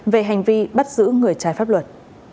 về hành vi bắt giữ người trái pháp luật